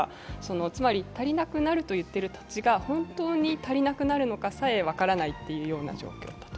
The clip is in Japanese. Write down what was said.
つまり足りなくなると言っている人たちが本当に足りなくなるのかさえ分からないという状況だと。